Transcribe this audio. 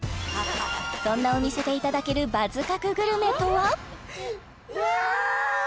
そんなお店でいただける“バズ確”グルメとはうわーっ！